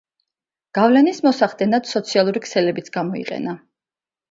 გავლენის მოსახდენად, სოციალური ქსელებიც გამოიყენა.